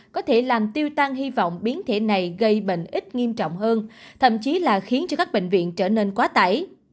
có thể làm tiêu tăng hy vọng biến thể này gây bệnh ít nghiêm trọng hơn thậm chí là khiến cho các bệnh viện trở nên quá tải